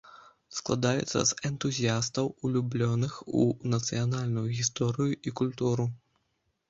Складаецца з энтузіястаў, улюблёных у нацыянальную гісторыю і культуру.